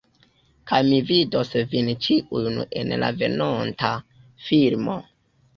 Kaj mi vidos vin ĉiujn en la venonta filmo